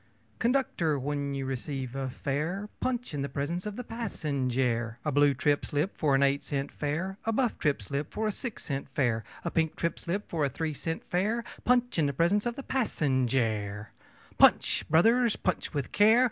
Conductor, when you receive a fare, Punch in the presence of the passenjare! A blue trip slip for an eight cent fare, A buff trip slip for a six cent fare, A pink trip slip for a three cent fare, Punch in the presence of the passenjare! CHORUS Punch, brothers! punch with care!